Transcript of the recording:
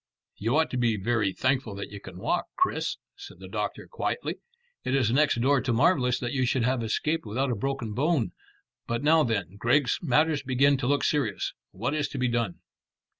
"You ought to be very thankful that you can walk, Chris," said the doctor quietly. "It is next door to marvellous that you should have escaped without a broken bone. But now then, Griggs, matters begin to look serious. What is to be done?"